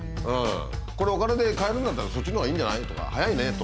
これお金で買えるんだったらそっちのほうがいいんじゃない？とか早いねとかさ。